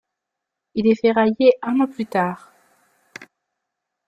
Il est ferraillé un an plus tard.